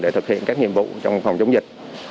để thực hiện các nhiệm vụ trong phòng chống dịch